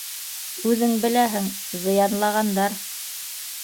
Үҙең беләһең, зыянлағандар...